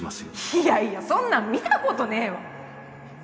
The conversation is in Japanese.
いやいやそんなん見たことねえわ